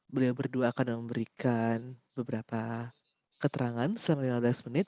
beliau berdua akan memberikan beberapa keterangan selama lima belas menit